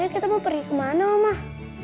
kita mau pergi kemana om ah